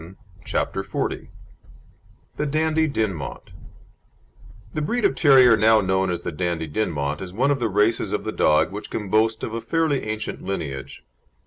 Fall] CHAPTER XL THE DANDIE DINMONT The breed of terrier now known as the Dandie Dinmont is one of the races of the dog which can boast of a fairly ancient lineage.